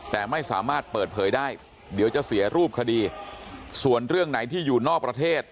แต่ไม่สามารถเปิดเผยได้เดี๋ยวจะเสียรูปคดีส่วนเรื่องไหนที่อยู่นอกประเทศ